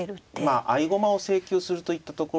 まあ合駒を請求するといったところですね。